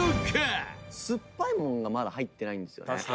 北山：酸っぱいものがまだ入ってないんですよね。